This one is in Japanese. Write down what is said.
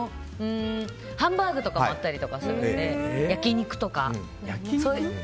ハンバーグとかもあったりするので焼き肉とか。